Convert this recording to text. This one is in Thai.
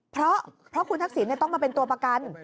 เพราะคุณทักษิณต้องมาเป็นตัวประกัน